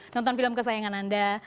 nonton film kesayangan anda